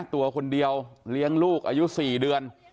ตัวคนเดียวเลี้ยงลูกอายุ๔เดือน